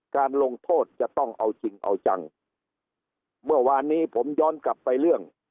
การลงโทษจะต้องเอาจริงเอาจังเมื่อวานนี้ผมย้อนกลับไปเรื่อง